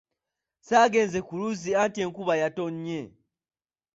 Saagenze ku luzzi anti enkuba yatonnye.